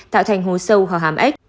tạo thành hố sâu hòa hám ếch